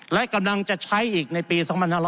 และกำลังจะใช้อีกในปี๒๕๖๐